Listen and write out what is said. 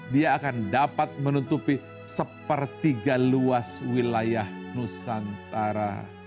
dia akan dapat menutupi sepertiga luas wilayah nusantara